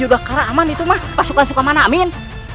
juga karena aman itu mah pasukan suka mana amin